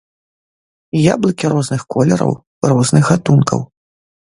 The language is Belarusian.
Яблыкі розных колераў, розных гатункаў.